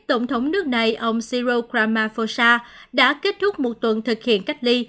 tổng thống nước này ông cyril kramafosa đã kết thúc một tuần thực hiện cách ly